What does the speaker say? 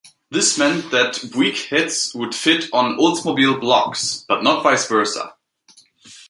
This meant that Buick heads would fit on Oldsmobile blocks, but not vice versa.